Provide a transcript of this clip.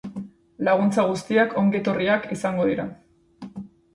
Laguntza guztiak ongietorriak izango dira.